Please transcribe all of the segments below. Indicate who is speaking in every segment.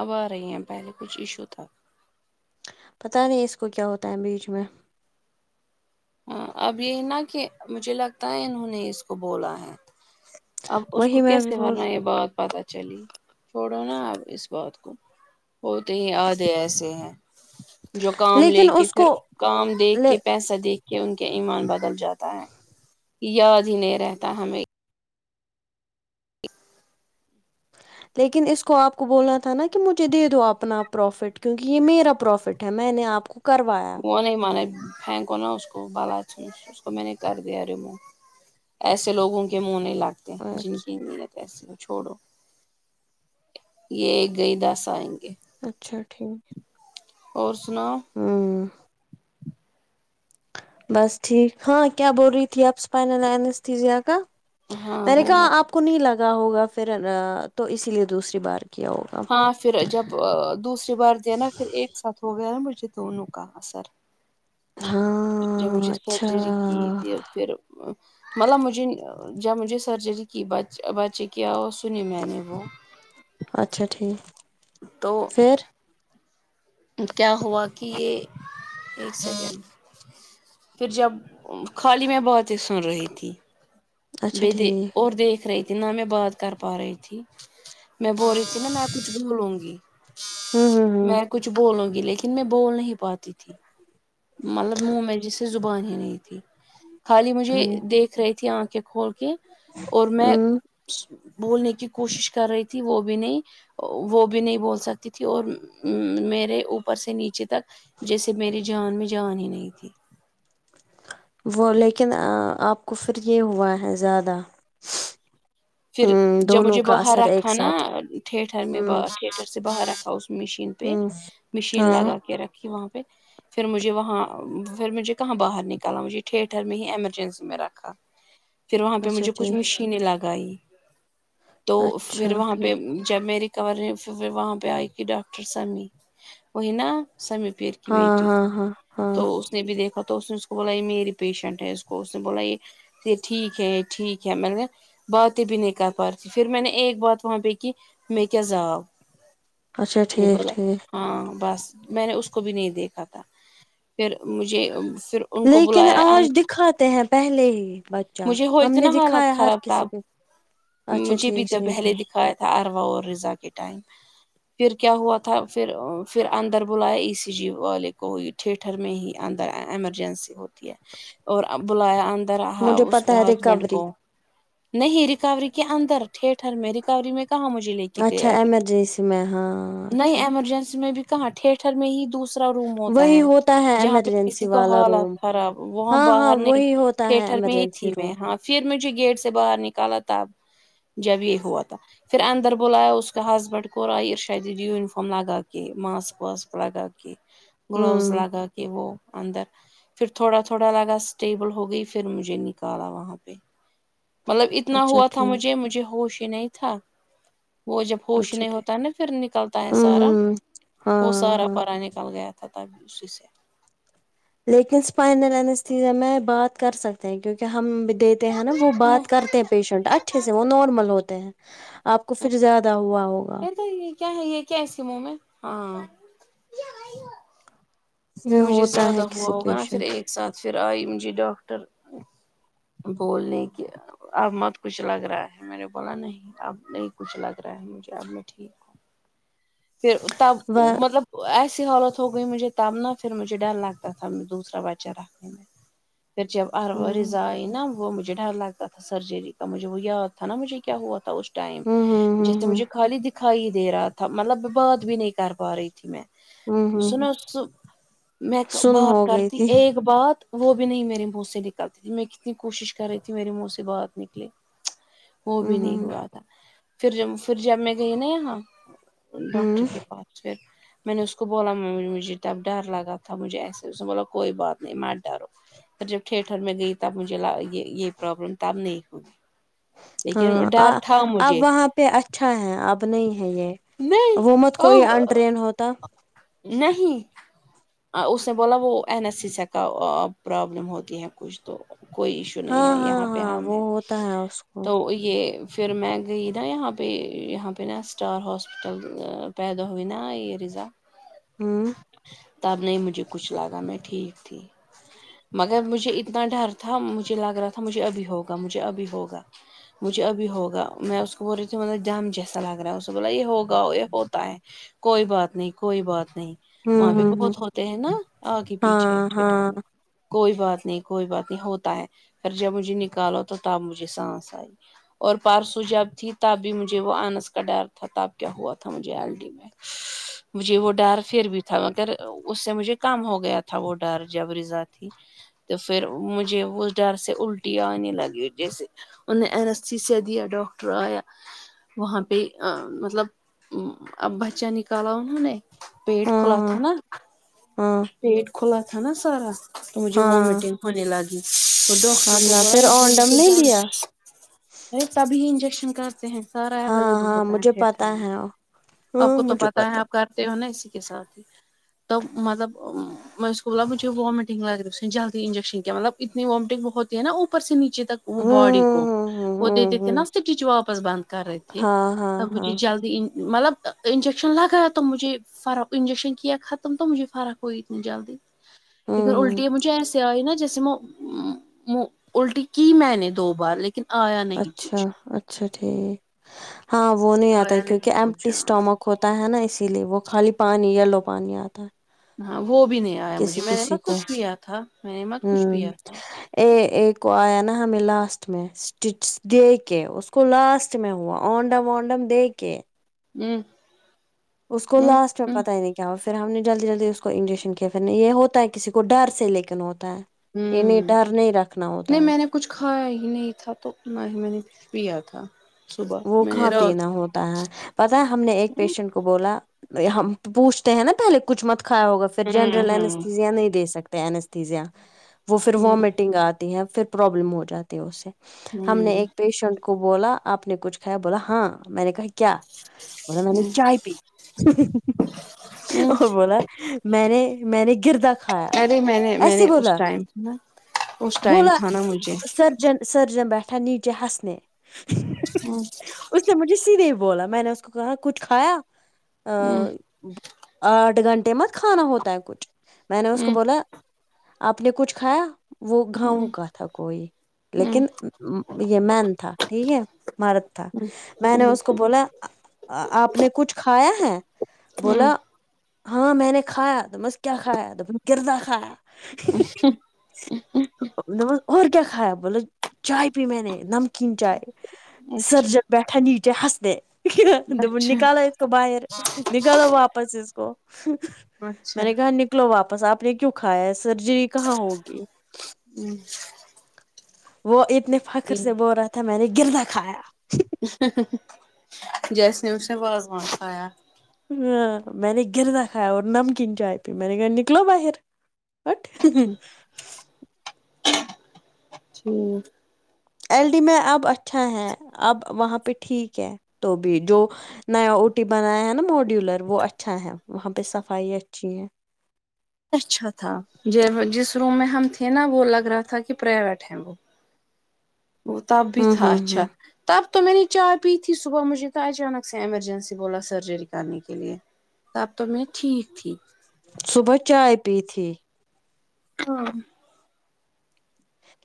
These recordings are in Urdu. Speaker 1: اب آ رہی ہیں پہلے کچھ ایشو تھا
Speaker 2: پتا نہیں اس کو کیا ہوتا ہے بیچ میں
Speaker 1: ہاں اب یہی نا کہ مجھے لگتا ہے انہوں نے اس کو بولا ہے اب اس کو
Speaker 2: وہی میں
Speaker 1: کیسے
Speaker 2: بھی بول
Speaker 1: بھرنا یہ بات پتا چلی چھوڑو نا اب اس بات کو ہوتے ہی آدھے ایسے ہیں جو کام لے
Speaker 2: لیکن
Speaker 1: کے
Speaker 2: اس
Speaker 1: پھر
Speaker 2: کو
Speaker 1: کام دیکھ
Speaker 2: لے
Speaker 1: کے پیسہ دیکھ کے ان کے ایمان بدل جاتا ہے یاد ہی نہیں رہتا ہمیں
Speaker 2: لیکن اس کو آپ کو بولنا تھا نا کہ مجھے دے دو اپنا پروفٹ کیونکہ یہ میرا پروفٹ ہے میں نے آپ کو کروایا
Speaker 1: وہ نہیں مانا پھنکو نہ اس کو بالچ اس کو میں نے کر دیا ریموو ایسے لوگوں کے منہ نہیں لگتے جن کی
Speaker 2: اچھا
Speaker 1: ن کیسے ہو چھوڑو یہ ایک گئی دس آئیں گے
Speaker 2: اچھا ٹھیک
Speaker 1: اور سناؤ
Speaker 2: ہوں بس ٹھیک ہاں کیا بول رہی تھی آپ اسپائنل انستھیشیا کا
Speaker 1: ہاں
Speaker 2: میں نے
Speaker 1: وہ
Speaker 2: کہا آپ کو نہیں لگا ہوگا پھر تو اسی لیے دوسری بار کیا ہوگا
Speaker 1: ہاں پھر جب دوسری بار دیا نا پھر ایک ساتھ ہو گیا نا مجھے دونوں کا اثر جب سے
Speaker 2: ہاں اچھا
Speaker 1: سرجری کی تھی پھر مطلب مجھے جب مجھے سرجری کی بچے کیا وہ سنی میں نے وہ
Speaker 2: اچھا ٹھیک
Speaker 1: تو
Speaker 2: پھر
Speaker 1: کیا ہوا کہ یہ ایک سیکنڈ پھر جب خالی میں باتیں سن رہی تھی ب
Speaker 2: اچھا
Speaker 1: دیک
Speaker 2: ٹھیک
Speaker 1: اور دیکھ رہی تھی نہ میں بات کر پا رہی تھی میں بول رہی تھی نا میں کچھ بولوں گی
Speaker 2: ہوں ہوں
Speaker 1: میں کچھ بولوں گی لیکن ن میں بول نہیں پاتی تھی مطلب منہ میں جیس سے زبان ہی نہیں تھی خالی مجھے
Speaker 2: ہوں
Speaker 1: دیکھ رہی تھی آنکھیں کھول کے اور میں
Speaker 2: ہ ہ
Speaker 1: بولنے کی کوشش کر رہی تھی وہ بھی نہیں وہ بھی نہیں بول سکتی تھی اور میرے اوپر سے نیچے تک جیسے میری جان میں جان ہی نہیں تھی
Speaker 2: وہ لیکن آپ کو پھر یہ ہوا ہے زیادہ ہ
Speaker 1: پھر جب
Speaker 2: دونوں
Speaker 1: مجھے
Speaker 2: کا
Speaker 1: باہر
Speaker 2: اثر ایک
Speaker 1: رکھا نا
Speaker 2: ساتھ
Speaker 1: ٹھیٹر میں
Speaker 2: ہوں
Speaker 1: ٹھیٹر سے باہر رکھا اس میںش مشین پہ
Speaker 2: ہ
Speaker 1: مشین
Speaker 2: ہاں
Speaker 1: لگا کے رکھی وہاں پہ پھر مجھے وہاں پھر مجھے کہاں باہر نکالا مجھے ٹھیٹر میں ہی ایمرجنسی میں رکھا پھر وہاں پہ
Speaker 2: اچھا
Speaker 1: مجھے کچھ
Speaker 2: ٹھیک
Speaker 1: مشینیں لگائی تو
Speaker 2: اچھا
Speaker 1: پھر وہاں پہ
Speaker 2: ٹھیک
Speaker 1: جب میںیری کور وہاں پہ آئی کی ڈاکٹر سمیع وہی نا سمیع پیر کی کی
Speaker 2: ہاں
Speaker 1: بیٹی
Speaker 2: ہاں ہاں ہاں
Speaker 1: دوست نےب بھی دیکھا تو اس نے اس کو بولا یہ میری پیشنٹ ہے اس کو اس نے بولا یہ یہ ٹھیک ہے یہ ٹھیک ہے مطلب بات بھی نہیں کر پا رہتی پھر میں نے ایک بات وہاں پہ کی میں کیا جاؤ
Speaker 2: اچھا ٹھیک ٹھیک
Speaker 1: ہاں بس میں نے اس کو بھی نہیں دیکھا تھا پھر مجھے پھر ان کو
Speaker 2: لیکن
Speaker 1: بلایا
Speaker 2: آج دکھاتے ہیں پہلے ہی بچہ
Speaker 1: مجھے ہوئی
Speaker 2: ہم
Speaker 1: تو
Speaker 2: نے
Speaker 1: نا حالت
Speaker 2: دکھایا ہر
Speaker 1: خراب تھا
Speaker 2: کسی
Speaker 1: اب
Speaker 2: پہ اچھا
Speaker 1: مجھے بھی
Speaker 2: ٹھیک
Speaker 1: د
Speaker 2: ٹھیک
Speaker 1: پہلے
Speaker 2: ٹھیک
Speaker 1: دکھاائے عروا رضا کے ٹائم پھر کیا ہوا تھا پھر پھر اندر بلایا ای سی جی والے کو ٹھیٹر میں ہی اندر ایمرجنسی ہوتی ہے اور بلایا انر رہا
Speaker 2: مجھے
Speaker 1: اس کے
Speaker 2: پتا ہے
Speaker 1: ہسبینڈ
Speaker 2: ریکوری
Speaker 1: کو نہیں ریکوری کے اندر ٹھیٹر میں ریکوری میں کہاں مجھے لے کے
Speaker 2: اچھا
Speaker 1: گیا ابھی
Speaker 2: ایمرجنسی میں ہاں
Speaker 1: نئی
Speaker 2: اچھا
Speaker 1: ایمرجنسی میں بھی کہاں ٹھیٹر میں ہی دوسرا ا روم ہوتا
Speaker 2: وہی
Speaker 1: ہے
Speaker 2: ہے
Speaker 1: جہاں پہ کسی
Speaker 2: ایمرجنسی
Speaker 1: کا
Speaker 2: والا
Speaker 1: حالات
Speaker 2: روم
Speaker 1: خراب وہاں
Speaker 2: ہاں ہاں
Speaker 1: باہر نہیں
Speaker 2: وہی ہوتا ہے
Speaker 1: ٹھیٹر میں ہی
Speaker 2: ایمرجنسی
Speaker 1: تھی میں
Speaker 2: روم
Speaker 1: ہاں پھر مجھے گیٹ سے باہر نکالا تب جب یہ ہوا تھا پھر اندر بولایا اس کا ہسبینڈ کوور آئی ار شاید یونفارم لگا کے ماسک واسک لگا کے گلوز
Speaker 2: ہوں
Speaker 1: لگا کے وہ اندر پھر تھوڑا تھوڑا لگا اسٹیبل ہو گئی پھر مجھے نکالا وہاں پہ مطلب اتنا
Speaker 2: اچھا
Speaker 1: ہوا تھا
Speaker 2: ٹھیک
Speaker 1: مجھے مجھے ہوش ہی نہیں تھا وہ جب ہوش
Speaker 2: اچھا
Speaker 1: نہیں ہوتا ہے نا پھر نکلتا ہے
Speaker 2: ہوں
Speaker 1: سارا
Speaker 2: ہوں
Speaker 1: وہ
Speaker 2: ہاں
Speaker 1: سارا
Speaker 2: ہاں
Speaker 1: پرا نکل گیا ت تا [unintelligible] گچ سے
Speaker 2: لیکن اسپائن [unintelligible] بات کر سکتے ہیں کیونکہ ہم دیتے ہیں نا وہ بات کر پیشنٹ اچھے سے وہ نارمل ہوتے ہیں آپ کو پھر زیادہ ہوا ہوگا
Speaker 1: کہتے یہ کیا ہے یہ کیا ایسی منہ میں ہاں نہیں
Speaker 2: یہ
Speaker 1: مجھے
Speaker 2: ہوتا
Speaker 1: زیادہ
Speaker 2: ہے
Speaker 1: ہوا
Speaker 2: کسی
Speaker 1: ہوگا نا پھر
Speaker 2: پیشنٹ
Speaker 1: ایک ساتھ پھر آئی مجھے ڈاکٹر بولنے کے اب مت کچھ لگ رہا ہے میں نے بولا نہیں اب نہیں کچھ لگ رہا ہے مجھے اب م ٹھیک ہوں پھر تب
Speaker 2: و
Speaker 1: مطلب ایسی حالت ہو گئی مجھے تب نہ پھر مجھے ڈر لگتا تھا دوسرا بچہ رکھنے میں پھر جب پرار
Speaker 2: ہوں
Speaker 1: ریزائ نا وہ مجھے ڈر لگتا تھا سرجری کا مجھے وہ یاد تھا نا مجھے کیا ہوا تھا اس ٹائم
Speaker 2: ہوں ہوں ہوں
Speaker 1: جیسے
Speaker 2: ہوں
Speaker 1: مجھے خالی دکھائی ہی دے رہا تھا مطلب بات بھی نہیں کر پا رہی تھی میں
Speaker 2: ہوں ہوں
Speaker 1: سنو س میں
Speaker 2: سن ہو
Speaker 1: بات
Speaker 2: گئی
Speaker 1: کرتی
Speaker 2: تھی
Speaker 1: ایک بات وہ بھی نہیں میرے منہ سے نکلتی تھی میں کتنی کوشش کر رہی تھی میرے منہ سے بات نکلے وہ
Speaker 2: ہوں
Speaker 1: بھی نہیں
Speaker 2: ہوں
Speaker 1: ہوا تھا پھر جب پھر جب میں گئی نا یہاں ڈاکٹر
Speaker 2: ہوں
Speaker 1: کے پاس پھر میں نے اس کو بولا م مجھے تب ڈر لگا تھا مجھے ایسے اس نے بولا کوئی بات نہیں مت دارو پر جب ٹھیٹر میں گئی تب مجھے یہ یہ پرابلم تب نہیں ہوگی
Speaker 2: ہاں اب
Speaker 1: مجھے
Speaker 2: وہاں پہ اچ اچھا ہے اب نہیں ہے یہ
Speaker 1: نہیں
Speaker 2: وہ مت کوئی
Speaker 1: اب
Speaker 2: انڈرین ہوتا
Speaker 1: نہیں اس نے بولا وہ انیستھیسیا کا پرابلم ہوتی ہے کچھ تو کوئی ایشو
Speaker 2: ہاں
Speaker 1: نہیں ہے
Speaker 2: ہاں
Speaker 1: یہاں پہ
Speaker 2: ہاں
Speaker 1: ہم
Speaker 2: وہ
Speaker 1: ہے
Speaker 2: ہوتا ہے اس کو
Speaker 1: تو یہ پھر میں گئی نا یہاں پہ یہاں پہ نا اسٹار ہاس پیدا ہوئی نا یہ ریزا
Speaker 2: ہوں
Speaker 1: تب نہیں مجھے کچھ لگا میں ٹھیک تھی مگر مجھے اتنا ڈر تھا مجھے لگ رہا تھا مجھے ابھی ہوگا مجھے ابھی ہوگا مجھے ابھی ہوگا میں اس کو بول رہی تھیوں مطلب دم جیسا لگ رہا ہے اسے بولا یہ ہوگا گاؤ یہ ہوتا ہے کوئی بات نہیں کوئی بات نہیں وہاں
Speaker 2: ہوں
Speaker 1: پہ
Speaker 2: ہوں ہوں
Speaker 1: بہت ہوتے ہیں نا آگے پیچھے
Speaker 2: ہاں ہاں
Speaker 1: کوئی بات نہیں کوئی بات نہیں ہوتا ہے پ جب مجھے نکالو تو تب مجھے سانس آئی اور پارسو جب تھی تب بھی مجھے وہ آنس کا ڈر تھا تب کیا ہوا تھا مجھے ایل ڈی میں اچھا مجھے وہ ڈر پھر بھی تھا مگر اس سے مجھے کم ہو گیا تھا وہ ڈر جب رضا تھی تو پھر مجھے وہ ڈر سے الٹی آنے لگی جیسے ان نے این ایس سی سے دیا ڈاکٹر آیا وہاں پہ مطلب اب بچہ نکالا انہوں نے پیٹ کھلا
Speaker 2: ہاں
Speaker 1: تھا نا
Speaker 2: ہاں
Speaker 1: پیٹ کھلا تھا نا سارا تو مجھے
Speaker 2: ہاں
Speaker 1: وامٹنگ ہونے لگ تو ڈاکٹر کو
Speaker 2: اللہ پھر
Speaker 1: ہی
Speaker 2: اونڈم
Speaker 1: کہ
Speaker 2: نہیں دیا
Speaker 1: [unintelligible] ارے تبھی انجیکشن کرتے ہیں سارا ہے
Speaker 2: ہاں
Speaker 1: ولیب
Speaker 2: ہاں
Speaker 1: ہوتا
Speaker 2: مجھے
Speaker 1: ہے ٹر
Speaker 2: پتا
Speaker 1: میں آپ
Speaker 2: ہاں
Speaker 1: کو تو
Speaker 2: مجھے
Speaker 1: پتاہ ہے
Speaker 2: پتا
Speaker 1: آپ کا تے ہو نا اسی کے ساتھ ہی تو مطلب میں اس کو بولا مجھے وامٹگ رہی اس نے جلدی انجیکشن کیا مطل اتنی وامٹنگ بت ہی ہے نا اوپ سےیچے تک وہ باڈی کو وہ دیتے تھے
Speaker 2: ہوں
Speaker 1: نا سٹچ واپس بند کر رہے تھے
Speaker 2: ہاں ہاں
Speaker 1: مجھے
Speaker 2: ہاں
Speaker 1: جلدی مطلب انجیکشن لگایا تو مجھے فرق انجیکشن کیا ختم تو مجھے فرق ہوئی اتنی جلدی ادھر
Speaker 2: ہوں
Speaker 1: الٹیا مجھے اسے آرہینے جیسے وہ الٹی کی میں نے دو بار لیکن آیا نہیں
Speaker 2: اچھا
Speaker 1: کچھ
Speaker 2: اچھا ٹھیک ہاں وہ نہیں آتا
Speaker 1: ہویا
Speaker 2: کیونکہ
Speaker 1: نہیں کچھ
Speaker 2: ایمٹی
Speaker 1: ہاں
Speaker 2: اسٹامک ہوتا تا ہے نا اسی لیے وہ خالی پانی یلو پانی آتا ہے
Speaker 1: ہاں وہ بھی نہیں آیا
Speaker 2: کسی
Speaker 1: مجھے میں نے
Speaker 2: کسی
Speaker 1: مت
Speaker 2: کو
Speaker 1: کچھ کیا تھا میں نے مت کچھ پیا تھا
Speaker 2: ایکے کو آیا نا ہمیں لاسٹ میں چپس دے کے اس کو لاسٹ میں ہوا اونڈم اونڈم دے کے
Speaker 1: ہوں
Speaker 2: اس کو لاسٹ میں پتا نہیں کیا ہو پھر ہم نے جلدی جلدی اس کو انجیکشن کیا پھر یہ ہوتا ہے کسی کو ڈر سے لیکن ہوتا ہے ان ہے
Speaker 1: ہوں
Speaker 2: ڈر نہیں رکھنا ہوتا
Speaker 1: نہیں
Speaker 2: ہے
Speaker 1: میں نے کچھ کھایا ہی نہیں تھا تو اتنا ہی میں نے پیا تھا صبح
Speaker 2: وہ کہاں
Speaker 1: میرا
Speaker 2: پینا ہوتا ہے پت ہے ہم نے ایک پیشنٹ کو بولا ہم پوچھتے ہیں نا پہلے کچھ مت کایا ہوگا جنرل انیستھتیا نہیں دے سکتے انیستہذا وہ
Speaker 1: ہوں
Speaker 2: پھروومیٹ گ آتی ہے پھر پرابلم ہو جاتی ہے اس سے ہم نے
Speaker 1: ہوں
Speaker 2: ایک پیشنٹ کو بولا آپ کچھ کھایا بولا ہا مینے ابھی کیا بولا میں نے
Speaker 1: ہوں
Speaker 2: چائے پی
Speaker 1: ہوں
Speaker 2: اور بولا میں نے میں نے گرد کھایا
Speaker 1: ارے میں نے میں
Speaker 2: ایسے
Speaker 1: نے اس
Speaker 2: بولا
Speaker 1: ٹائم نا اس ٹائم
Speaker 2: بولا
Speaker 1: تھا نا مجھے
Speaker 2: سر جن سرجن پیٹھ جی ہسنے
Speaker 1: ہاں
Speaker 2: اس نے مجھے سیدھے بولا میں نے اس کو کہا کچھ کھایا
Speaker 1: ہوں
Speaker 2: ا آٹھ گھنٹے مت کھانا ہوتا ہے کچھ میں نے اس کو
Speaker 1: ہوں
Speaker 2: بولا آپ نے کچھ کھایا وہ کھاؤ
Speaker 1: ہوں
Speaker 2: گا تھا کوئ
Speaker 1: ہوں
Speaker 2: لیکن یہ معن تھا ٹھیک مرد تھا مانے اسکو بولا آپ نے کچھ کھایا ہے بولا
Speaker 1: ہوں
Speaker 2: ہا مانے کھایا تو بس کیا کھایا تو گردہ کھایا
Speaker 1: ہ
Speaker 2: اور کیا کھایا بولے چائے پی میں نے نمکین چائے
Speaker 1: اچھا
Speaker 2: سرجن بیٹھا نیچے ہسنے کیا تو پھر
Speaker 1: اچھا
Speaker 2: نکالو اسکو بہار نکالو واپس اسکو
Speaker 1: اچھا
Speaker 2: نکلو واپس آپ نے کیوں کھایا ہے سرجری کہاں ہوگی
Speaker 1: ہوں [unintelligible]
Speaker 2: وہ اتنے فخر سے بول رہا تھا میں نے گردا کھایا
Speaker 1: جیسے اسنے وازوان کھایا
Speaker 2: ہاں میں نے گردا کھایا اور نمکین چائے پی میں نے کھا نکلو باہر اٹھ
Speaker 1: جھوٹ
Speaker 2: ایل ڈی میں اب اچھا ہے اب وہاں پہ ٹھیک ہے تو بھی جو نیا او ٹی بنایا ہے نا موڈیولر وہ اچھا ہے وہاں پہ صفائی اچھی ہے
Speaker 1: اچھا تھا جس روم میں ہم تھے نا وہ لگ رہا تھا کہ پرائیویٹ ہے وہ وہ تب بھی
Speaker 2: ہوں
Speaker 1: تھا
Speaker 2: ہوں ہوں
Speaker 1: اچھا تب تو میں نے چائے پی تھی صبح مجھے کھا اچانک سے ایمرجنسی بولا سرجری کرنے کے لیے تب تو میں ٹھیک تھی
Speaker 2: صبح چائ پی تھی
Speaker 1: ہاں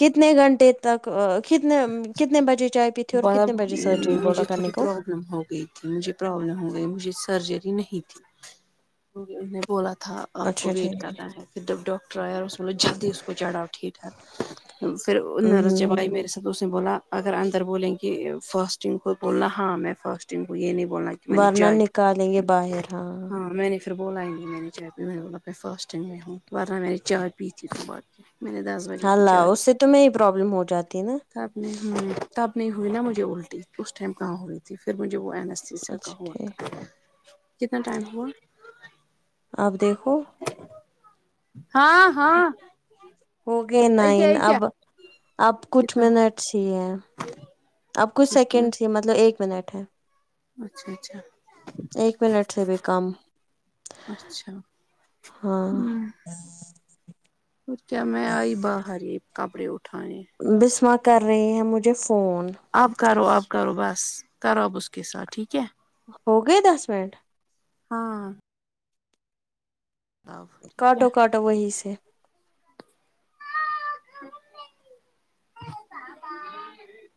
Speaker 2: کتنے گھنٹے تک کتنے ہم کتنے بجے چائے پیتے اور کتنے بجے سرجری بول رکھا کرنے کو
Speaker 1: نو ہوگئی مجھے پروبلم ہو گئی مجھے سرجری نہیں تھی انھوں نے بولا تھا آپ کو
Speaker 2: اچھا
Speaker 1: ویٹ
Speaker 2: ٹھیک
Speaker 1: کرنا ہے پھر جب ڈاکٹر آیااور سمجھواس کوجلدی چڑھاؤ ٹھیک ہے فر
Speaker 2: ہمم
Speaker 1: نرج جب
Speaker 2: ہمم
Speaker 1: آئی میرے ساتھ تو اس نے بولا اگر اندر بولیں کہ فاسٹنگ کو بولنا ہاں میں فاسٹنگ کو یہ نہیں بولنا میں نے
Speaker 2: ورنہ
Speaker 1: چائے پی
Speaker 2: نکالیں گے باہر
Speaker 1: ہاں میں بھی پھر بولا ہی نہیں میں نے چائے پی میں نے بولا میں فاسٹنگ میں ہوں ورنہ میں چائے پیتی تو باقی میرے انداز میں بجے
Speaker 2: ہاں
Speaker 1: کی چائے
Speaker 2: لاؤ اس سے تو میری پروبلم ہوجاتی ہے نا
Speaker 1: تب نہیں ہمم تب نہیں ہوئی نا مجھے الٹی اس ٹائم کہاں ہوئی پھر وہ مجھے اناستتھیا کا
Speaker 2: اچھا
Speaker 1: ہوا
Speaker 2: ٹھیک
Speaker 1: تھا کتنا ٹائم ہوا
Speaker 2: آپ دیکھو
Speaker 1: چیم ہاں ہاں
Speaker 2: ہو گئے نائن
Speaker 1: کیا کیا
Speaker 2: اب اب کچھ
Speaker 1: کتنا
Speaker 2: منٹس ہی ہے اب کچھ سیکنڈس ہی ہے مطلب ایک منٹ ہے
Speaker 1: اچھا اچھا
Speaker 2: ایک منٹ سے بھی کم
Speaker 1: اچھا
Speaker 2: ہاں
Speaker 1: ہمم پھر کیا میں آئی باہر یہ کپڑے اٹھانے
Speaker 2: بسمہ کر رہی ہے مجھے فون
Speaker 1: اب کرو اب کرو بس کرو اب اس کے ساتھ ٹھیک ہے
Speaker 2: ہو گئے دس منٹ
Speaker 1: ہاں اب ٹھیک ہے
Speaker 2: کاٹو کاٹو وہی سے
Speaker 1: ہاں [unintelligible]